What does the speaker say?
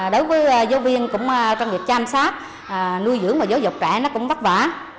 đối với giáo viên cũng trong việc chăm sóc nuôi dưỡng và giáo dục trẻ nó cũng vất vả